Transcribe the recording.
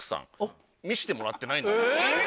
えっ！